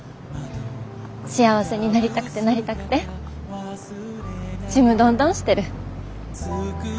幸せになりたくてなりたくてちむどんどんしてる。